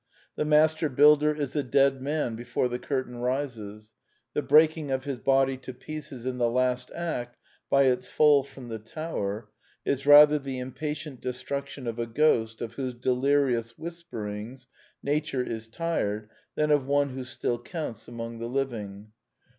The Master Builder is a dead man before the curtain rises: the breaking of his body to pieces in the last act by its fall from the tower is rather the impatient destruction of a ghost of whose deli rious whisperings Nature is tired than of one who still counts among the living.